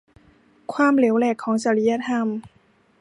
ความเหลวแหลกของจริยธรรม